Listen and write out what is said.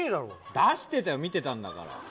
出してたよ、見てたんだから。